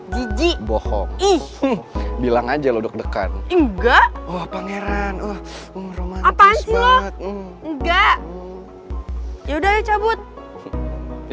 jijik bohong ih bilang aja lo deg degan enggak pangeran oh apaan sih enggak ya udah cabut ya